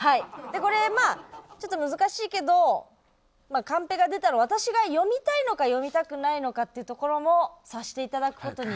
これまあちょっと難しいけどカンペが出たら私が読みたいのか読みたくないのかっていうところも察していただく事に。